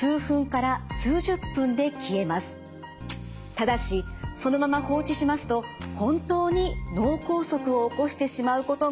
ただしそのまま放置しますと本当に脳梗塞を起こしてしまうことがあるんです。